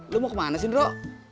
lu mau kemana sih nro